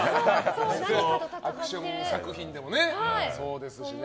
アクション作品でもそうですしね。